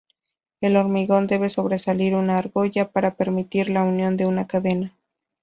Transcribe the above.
Del hormigón debe sobresalir una argolla, para permitir la unión de una cadena.